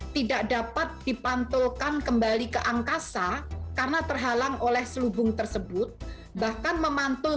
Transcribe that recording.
tidak dapat dipantulkan kembali ke angkasa karena terhalang oleh selubung tersebut bahkan memantul